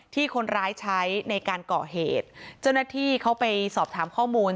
ที่คนร้ายใช้ในการก่อเหตุเจ้าหน้าที่เขาไปสอบถามข้อมูล